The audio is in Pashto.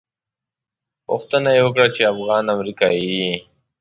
پوښتنه یې وکړه چې افغان امریکایي یې.